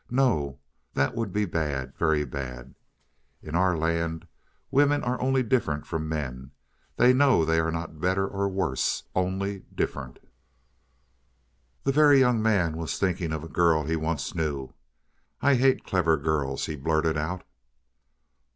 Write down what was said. "No, that would be bad very bad. In our land women are only different from men. They know they are not better or worse only different." The Very Young Man was thinking of a girl he once knew. "I hate clever girls," he blurted out.